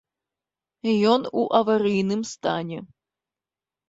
Ён у аварыйным стане.